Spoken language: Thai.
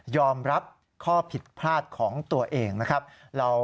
รับข้อผิดพลาดของตัวเองนะครับ